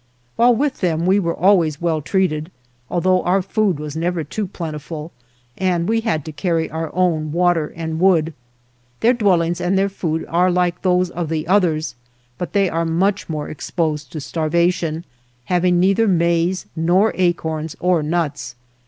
While with them we were always well treated, although our food was never too plentiful, and we had to carry our own water and wood. Their dwell ings and their food are like those of the others, but they are much more exposed to starvation, having neither maize nor acorns or nuts.